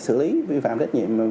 sử lý vi phạm trách nhiệm